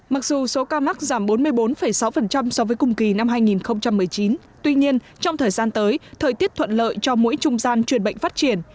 mặc dù số ca mắc giảm bốn mươi bốn sáu so với cùng kỳ năm hai nghìn một mươi chín tuy nhiên trong thời gian tới thời tiết thuận lợi cho mũi trung gian truyền bệnh phát triển